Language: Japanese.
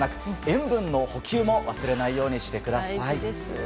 塩分の補給も忘れないようにしてください。